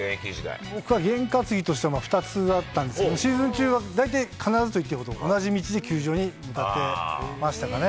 僕は験担ぎとしては２つあったんですけど、シーズン中は大体必ずと言っていいほど同じ道で球場に向かってましたかね。